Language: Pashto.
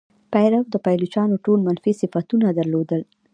پیرو د پایلوچانو ټول منفي صفتونه درلودل.